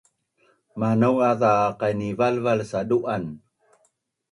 Manau’az za qainivalval sadu’an?